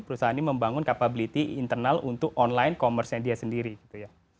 perusahaan ini membangun capability internal untuk online commerce nya dia sendiri gitu ya